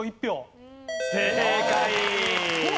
正解！